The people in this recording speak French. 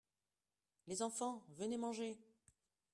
Les enfants, venez manger.